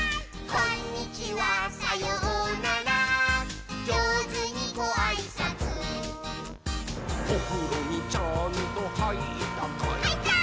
「こんにちはさようならじょうずにごあいさつ」「おふろにちゃんとはいったかい？」はいったー！